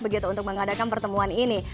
begitu untuk mengadakan pertemuan ini